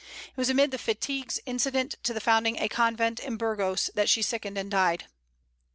It was amid the fatigues incident to the founding a convent in Burgos that she sickened and died.